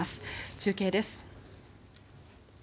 中継です。